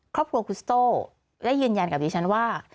ครอบครัวคุสโต้ได้ยืนยันกับดิฉันว่า